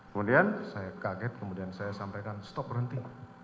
kemudian saya kaget kemudian saya sampaikan stop berhenti